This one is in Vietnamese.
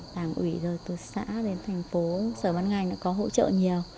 làm ủi rồi từ xã đến thành phố sở văn ngành nó có hỗ trợ nhiều